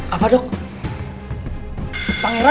iya itu cuma sedikit